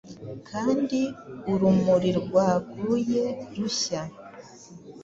Kandi urumuri rwaguye rushya!